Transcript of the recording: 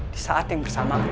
di saat yang bersamaan